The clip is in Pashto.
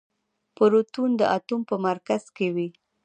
پروتون د اتوم په مرکز کې وي.